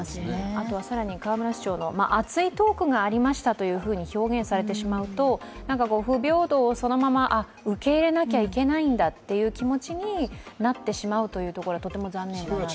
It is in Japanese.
あとは更に河村市長の熱いトークがありましたと表現されてしまうと、不平等をそのまま受け入れなきゃいけないんだという気持ちになってしまうというところは、とても残念です。